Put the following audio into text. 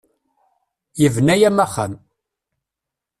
Yebna-am axxam.